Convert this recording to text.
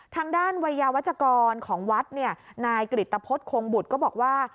ทางด้านวัยยาวัชกรของวัดเนี่ยนายกริตพฤษคงบุตรก็บอกว่า